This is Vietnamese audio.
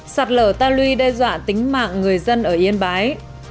sạt lở ta luy đe dọa tính mạng người dân ở yên bái